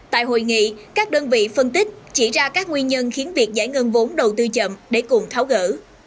tại hội nghị các đơn vị phân tích chỉ ra các nguyên nhân khiến việc giải ngân vốn đầu tư chậm để cùng tháo gỡ